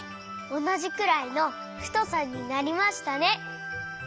おなじくらいのふとさになりましたね。